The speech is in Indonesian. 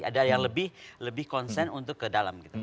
ada yang lebih konsen untuk ke dalam gitu